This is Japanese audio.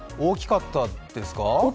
大きかったです。